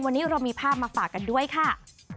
วันนี้เรามีภาพมาฝากกันด้วยค่ะ